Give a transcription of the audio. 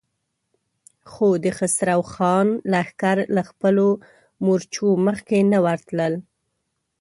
خو د خسرو خان لښکر له خپلو مورچو مخکې نه ورتلل.